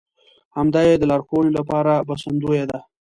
همدا يې د لارښوونې لپاره بسندويه ده.